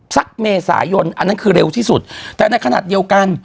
สักเมษายนอันนั้นคือเร็วที่สุดแต่ในขณะเดียวกัน